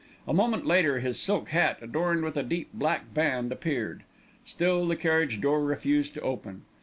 A moment later his silk hat, adorned with a deep black band, appeared; still the carriage door refused to open.